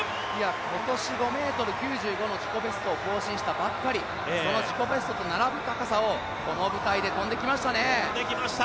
今年５ｍ９５の自己ベストを更新したばっかり、その自己ベストと並ぶ高さを、この舞台で跳んできましたね。